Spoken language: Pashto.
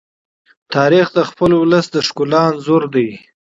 تاریخ د خپل ولس د ښکلا انځور دی.